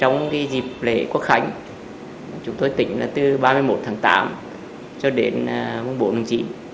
trong dịp lễ quốc khánh chúng tôi tỉnh là từ ba mươi một tháng tám cho đến bốn tháng chín